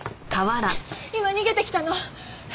今逃げてきたの。